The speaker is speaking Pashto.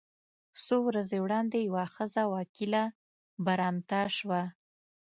څو ورځې وړاندې یوه ښځه وکیله برمته شوه.